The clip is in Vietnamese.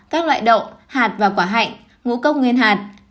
các loại đậu hạt và quả hạnh ngũ cốc nguyên hạt